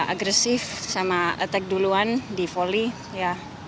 agresif sama attack duluan di volley ya